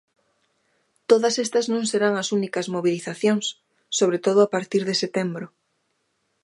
Todas estas non serán as únicas mobilizacións, sobre todo a partir de setembro.